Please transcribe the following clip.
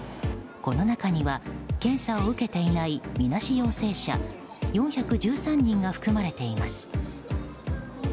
この中には、検査を受けていないみなし陽性者４１３人が含まれています。